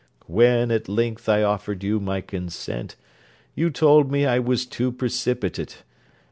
When, at length, I offered you my consent, you told me I was too precipitate.